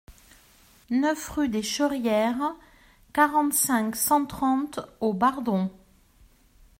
neuf rue des Cherrières, quarante-cinq, cent trente au Bardon